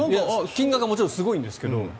金額はもちろんすごいんですけど。